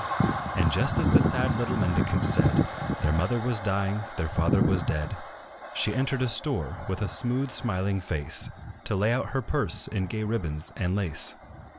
And just as the sad little mendicants said, Their mother was dying, their father was dead, She entered a store, with a smooth, smiling face, To lay out her purse in gay ribbons and lace.